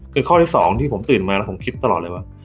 คือข้อที่๒ที่ผมตื่นมาแล้วผมคิดตลอดเลยว่า